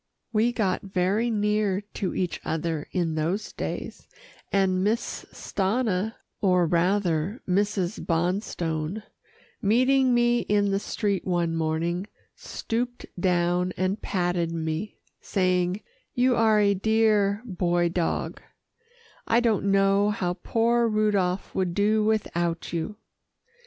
We got very near to each other in those days, and Miss Stanna, or rather Mrs. Bonstone, meeting me in the street one morning, stooped down and patted me, saying, "You are a dear Boy Dog; I don't know what poor Rudolph would do without you."